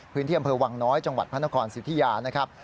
พื้นที่อำเภอวังน้อยจังหวัดพระนครสิทธิยานะครับ